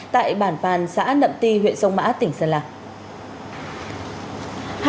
tại bản bàn xã nậm ti huyện sông mã tỉnh sơn la